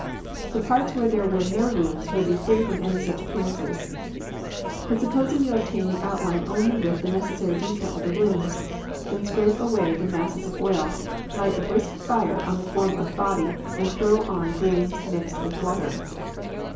The parts where there were no wounds will be free from any such appearances. But supposing you obtain the outline only without the necessary detail of the wounds, then scrape away the masses of oil, light a brisk fire on the form of the body and throw on grains mixed with water.